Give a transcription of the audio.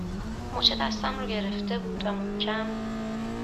مچ دستم رو گرفته بود و محکم